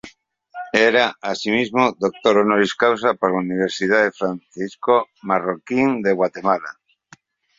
Era, así mismo, Doctor honoris causa por la Universidad Francisco Marroquín, de Guatemala.